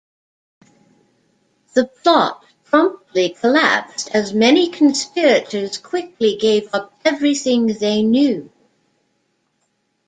The plot promptly collapsed as many conspirators quickly gave up everything they knew.